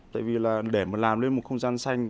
tại vì là để mà làm nên một không gian xanh